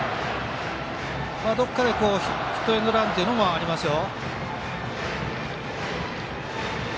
どこかでヒットエンドランというのもありますよ。